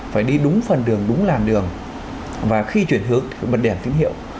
phải đi đúng phần đường đúng làn đường và khi chuyển hướng thì phải bật đèn tín hiệu